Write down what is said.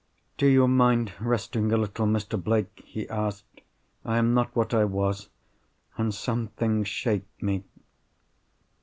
"Do you mind resting a little, Mr. Blake?" he asked. "I am not what I was—and some things shake me."